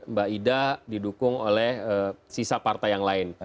mbak ida didukung oleh sisa partai yang lain